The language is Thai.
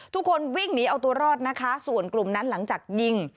ทุกคนวิ่งหนีเอาตัวรอดนะคะส่วนกลุ่มนั้นหลังจากยิง